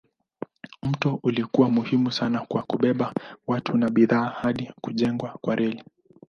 Mto ulikuwa muhimu sana kwa kubeba watu na bidhaa hadi kujengwa kwa reli.